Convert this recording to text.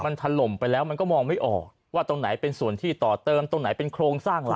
มันถล่มไปแล้วมันก็มองไม่ออกว่าตรงไหนเป็นส่วนที่ต่อเติมตรงไหนเป็นโครงสร้างอะไร